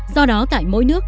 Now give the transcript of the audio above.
do đó tại mỗi nước